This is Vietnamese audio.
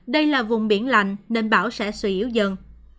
khi là vùng biển lạnh nên bão sẽ sửa yếu dần